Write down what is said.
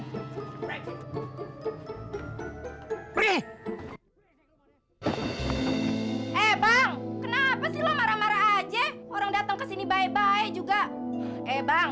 hai hai hai hey bang kenapa sih lo marah marah aja orang datang kesini bye bye juga eh bang